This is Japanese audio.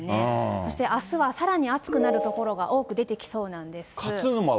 そしてあすはさらに暑くなる所が多く出てきそうなんです。